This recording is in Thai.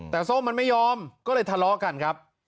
แต่ส้มมันไม่ยอมก็เลยทะเลาะกันครับ